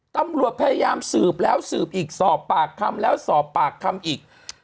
ตำรวจพยายามสืบแล้วสืบอีกสอบปากคำแล้วสอบปากคำอีก